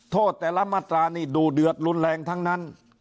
โทษแต่ละมาตรานี่ดูเดือดรุนแรงทั้งนั้น